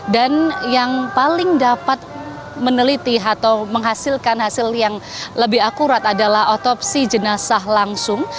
dan yang paling dapat meneliti atau menghasilkan hasil yang lebih akurat adalah otopsi jenazah langsung